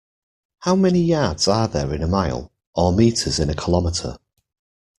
How many yards are there are in a mile, or metres in a kilometre?